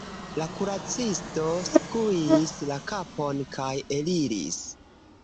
La kuracisto skuis la kapon, kaj eliris.